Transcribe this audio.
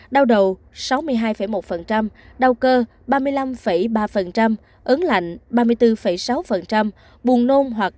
đau đầu sáu mươi hai một đau cơ ba mươi năm ba ấn lạnh ba mươi bốn sáu buồn nôn hoặc